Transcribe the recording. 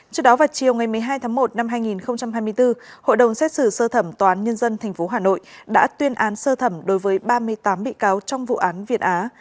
trước đó vào chiều ngày một mươi hai tháng một năm hai nghìn hai mươi bốn hội đồng xét xử sơ thẩm toán nhân dân tp hà nội đã tuyên án sơ thẩm đối với ba mươi tám bị cáo trong vụ án việt á